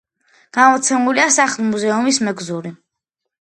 გამოცემულია სახლ-მუზეუმის მეგზური.